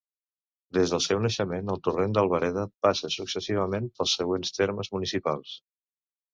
Des del seu naixement, el Torrent d'Albereda passa successivament pels següents termes municipals.